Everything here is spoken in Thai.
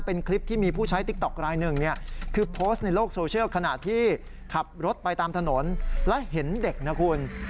เป็นคลิปที่มีผู้ใช้ติ๊กต๊อกรายหนึ่งเนี่ยคือโพสต์ในโลกโซเชียลขณะที่ขับรถไปตามถนนและเห็นเด็กนะคุณ